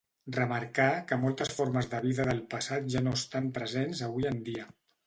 Remarcà que moltes formes de vida del passat ja no estan presents avui en dia.